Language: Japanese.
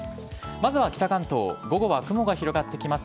まずは北関東、午後は雲が広がってきます。